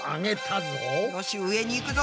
よし上に行くぞ！